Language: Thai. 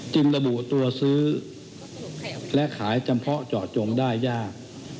ระบุตัวซื้อและขายจำเพาะเจาะจงได้ยาก